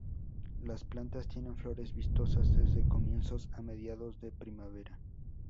Las plantas tienen flores vistosas desde comienzos a mediados de primavera.